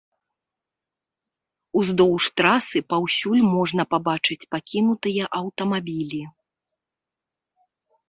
Уздоўж трасы паўсюль можна пабачыць пакінутыя аўтамабілі.